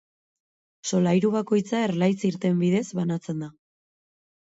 Solairu bakoitza erlaitz irten bidez banatzen da.